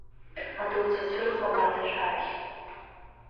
Адоуцәа цәырҵма мраҭашәарахь?